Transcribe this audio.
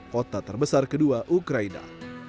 kota terbesar kedua ukraina